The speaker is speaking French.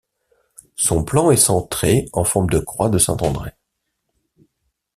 Son plan est centré, en forme de croix de saint André.